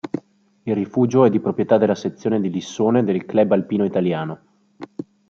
Il rifugio è di proprietà della sezione di Lissone del Club Alpino Italiano.